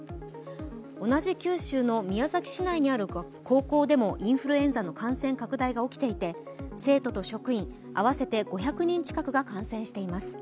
同じ九州の宮崎市内にある高校でもインフルエンザの感染拡大が起きていて生徒と職員合わせて５００人近くが感染しています。